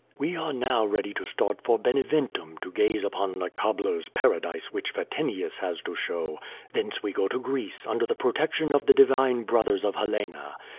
We are now ready to start for Beneventum to gaze upon the cobbler's paradise which Vati nus has to show. Thence we go to Greece, under the protec tion of the divine brothers of Helena.